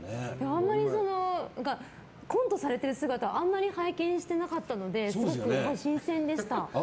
コントされている姿ってあんまり拝見されてなかったのですごく新鮮でした。